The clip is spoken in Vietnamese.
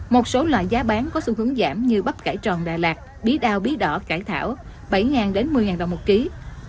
một số loại giá bán có xu hướng giảm như bắp cải tròn đà lạt bí đao bí đỏ cải thảo bảy một mươi đồng một ký